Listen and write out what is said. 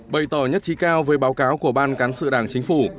bày tỏ nhất trí cao với báo cáo của ban cán sự đảng chính phủ